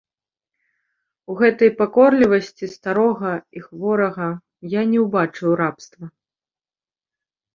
У гэтай пакорлівасці старога і хворага я не ўбачыў рабства.